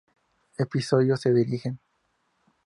Episodios se dirigen.